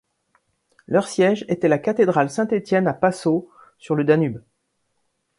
Leur siège était la cathédrale Saint-Étienne à Passau sur le Danube.